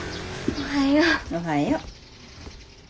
おはよう。